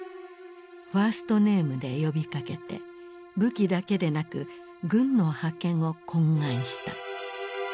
ファーストネームで呼びかけて武器だけでなく軍の派遣を懇願した。